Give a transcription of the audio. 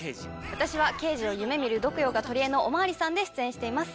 私は刑事を夢見る度胸が取りえのお巡りさんで出演しています。